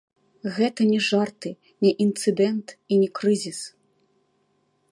Гэта не жарты, не інцыдэнт, і не крызіс.